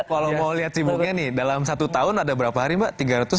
kalau mau lihat sibuknya nih dalam satu tahun ada berapa hari mbak